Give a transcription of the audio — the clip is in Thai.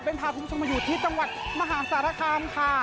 เป็นพาคุณผู้ชมมาอยู่ที่จังหวัดมหาสารคามค่ะ